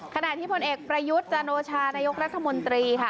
ขณะที่พลเอกประยุทธ์จันโอชานายกรัฐมนตรีค่ะ